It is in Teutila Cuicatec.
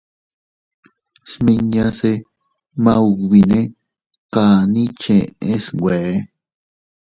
Smiñase maubine kani cheʼe snwe.